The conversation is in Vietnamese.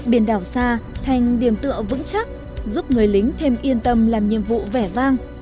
biển đảo xa thành điểm tựa vững chắc giúp người lính thêm yên tâm làm nhiệm vụ vẻ vang